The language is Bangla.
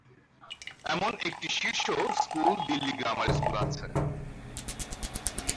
এমন একটি শীর্ষ স্কুল 'দিল্লি গ্রামার স্কুল' আছে।